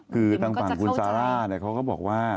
คือตั้งฝั่งคุณซาร่าเนี่ยเขาก็บอกว่า